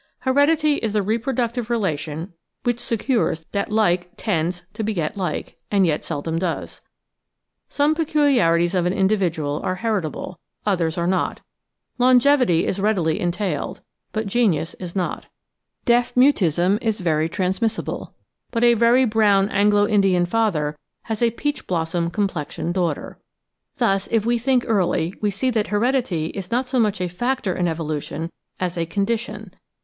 Heredity is the reproductive relation which secures that like tends to beget like, and yet seldom does. Some peculiarities of an individual are heritable, others are not; longevity is readily entailed, but genius is not; deaf mutism is very transmissible, but a very brown Anglo Indian father has a peach blossom com plexioned daughter. Thus, if we think early, we see that heredity is not so much a factor in evolution as a condition.